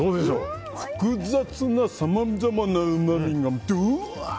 複雑なさまざまなうまみがどぅわー！